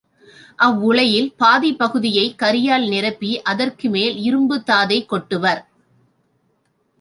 அவ்வுலையில் பாதிப்பகுதியைக் கரியால் நிரப்பி, அதற்கு மேல் இரும்புத் தாதைக் கொட்டுவர்.